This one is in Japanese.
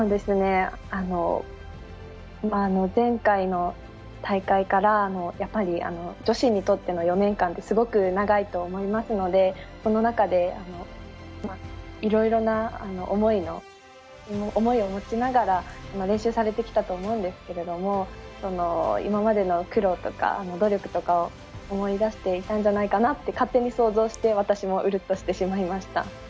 前回の大会からやっぱり女子にとっての４年間ってすごく長いと思いますのでその中で、いろいろな思いを持ちながら練習されてきたと思うんですけど今までの苦労とか、努力とかを思い出していたんじゃないかなと勝手に想像して私もうるっとしてしまいました。